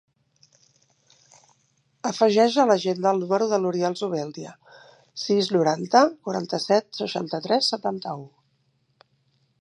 Afegeix a l'agenda el número de l'Oriol Zubeldia: sis, noranta, quaranta-set, seixanta-tres, setanta-u.